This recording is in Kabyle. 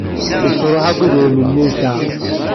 Yesṛuḥ akk idrimen-nni i yesɛa.